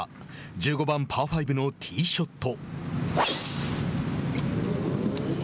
１５番パー５のティーショット。